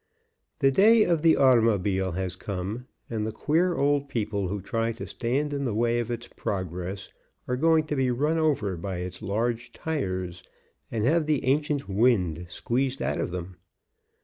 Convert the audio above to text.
The day of the automobile has come, and the queer old people who try to stand in the way of its progress are going to be run over by its large tires and have the ancient wind squeezed out of them.